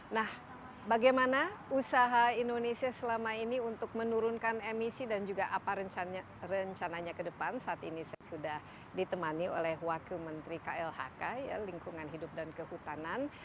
nah bagaimana usaha indonesia selama ini untuk menurunkan emisi dan juga apa rencananya ke depan saat ini saya sudah ditemani oleh wakil menteri klhk lingkungan hidup dan kehutanan